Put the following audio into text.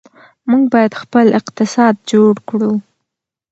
موږ باید خپل اقتصاد جوړ کړو.